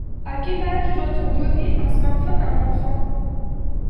A quel âge doit-on donner un smartphone à un enfant?